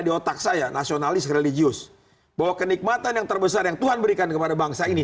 di otak saya nasionalis religius bahwa kenikmatan yang terbesar yang tuhan berikan kepada bangsa ini